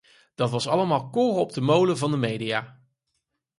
Dat was allemaal koren op de molen van de media.